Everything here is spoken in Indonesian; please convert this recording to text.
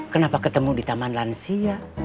kenapa ketemu di taman lansia